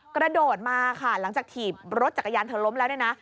กระโดดมาค่ะหลังจากถีบรถจักรยานเธอล้มแล้วเนี่ยนะ